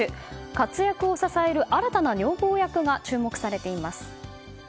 活躍を支える新たな女房役が注目されています。